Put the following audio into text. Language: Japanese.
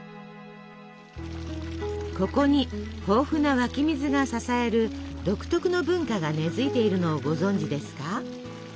ここに豊富な湧き水が支える独特の文化が根づいているのをご存じですか？